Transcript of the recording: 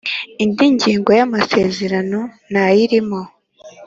Indi ngingo y ‘amasezerano ntayirimo.